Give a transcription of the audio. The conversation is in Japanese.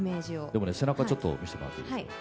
でもね背中ちょっと見せてもらっていいですか？